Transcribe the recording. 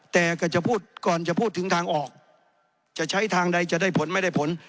แต่ก็จะพูดก่อนจะพูดถึงทางออกจะใช้ทางใดจะได้ผลไม่ได้ผล